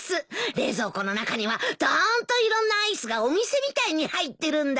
冷蔵庫の中にはどーんといろんなアイスがお店みたいに入ってるんだ。